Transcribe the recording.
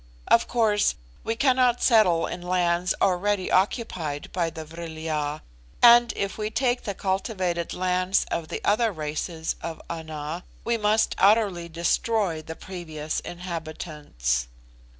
Of course, we cannot settle in lands already occupied by the Vril ya; and if we take the cultivated lands of the other races of Ana, we must utterly destroy the previous inhabitants.